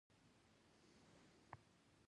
هر پښتون دې ووايي پښتو زما مورنۍ ژبه ده.